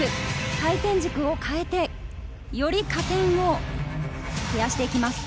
回転軸を変えて、より加点を増やしていきます。